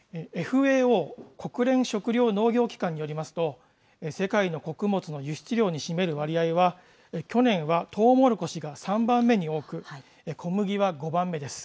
ＦＡＯ・国連食糧農業機関によりますと、世界の穀物の輸出量に占める割合は、去年はトウモロコシが３番目に多く、小麦は５番目です。